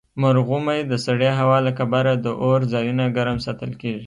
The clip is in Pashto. مرغومی د سړې هوا له کبله د اور ځایونه ګرم ساتل کیږي.